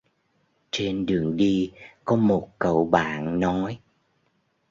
Trên đường đi có một cậu bạn nói